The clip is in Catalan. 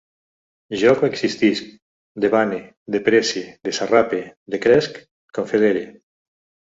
Jo coexistisc, debane, deprecie, desarrape, decresc, confedere